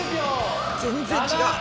全然違う。